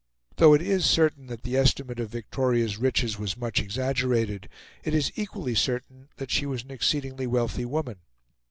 Though it is certain that the estimate of Victoria's riches was much exaggerated, it is equally certain that she was an exceedingly wealthy woman.